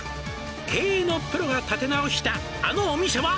「経営のプロが立て直したあのお店は」